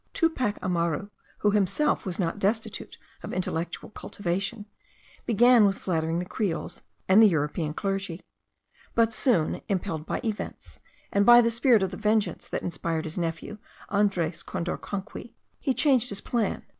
Tupac Amaru, who himself was not destitute of intellectual cultivation, began with flattering the creoles and the European clergy; but soon, impelled by events, and by the spirit of vengeance that inspired his nephew, Andres Condorcanqui, he changed his plan.